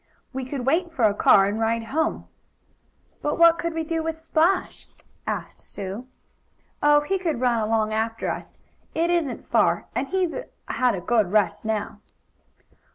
"We could wait for a car and ride home." "But what could we do with Splash?" asked Sue. "Oh, he could run along after us. It isn't far, and he's had a good rest now."